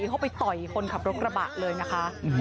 เขาไปต่อยคนขับรถกระบะเลยนะคะ